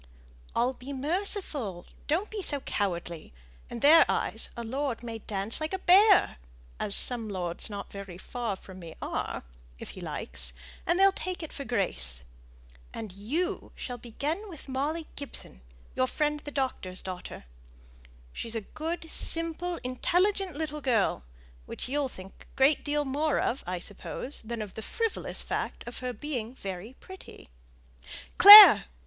"I'll be merciful; don't be so cowardly. In their eyes a lord may dance like a bear as some lords not very far from me are if he likes, and they'll take it for grace. And you shall begin with Molly Gibson, your friend the doctor's daughter. She's a good, simple, intelligent little girl, which you'll think a great deal more of, I suppose, than of the frivolous fact of her being very pretty. Clare!